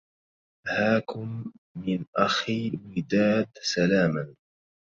هاكم من أخى وداد سلاما